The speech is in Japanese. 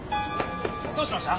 どうしました？